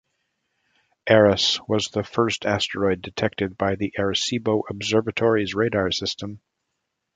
Eros was the first asteroid detected by the Arecibo Observatory's radar system.